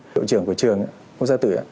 đội trưởng của trường ngo gia tự